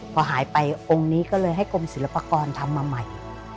พอหายไปองค์นี้ก็เลยให้กรมศิลปากรทำมาใหม่